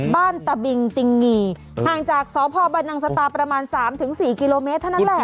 บ้านตะบิงติงหงี่ห่างจากสพบนังสตาประมาณ๓๔กิโลเมตรนั่นแหละ